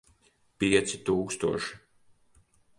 Pieci tūkstoši.